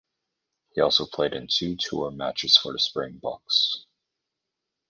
He also played in two tour matches for the Springboks.